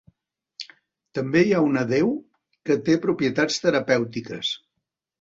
També hi ha una deu que té propietats terapèutiques.